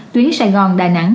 tuyến sài gòn đà nẵng